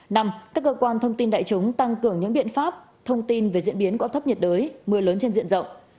năm các cơ quan thông tin đại chúng tăng cường những biện pháp thông tin về diễn biến của áp thấp nhiệt đới mưa lớn trên diện rộng